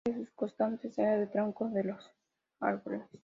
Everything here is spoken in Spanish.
Una de sus constantes era el tronco de los árboles.